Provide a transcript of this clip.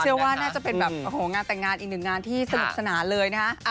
ว่าน่าจะเป็นแบบโอ้โหงานแต่งงานอีกหนึ่งงานที่สนุกสนานเลยนะฮะ